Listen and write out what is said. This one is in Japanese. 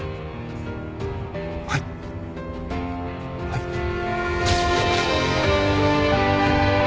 はいはい。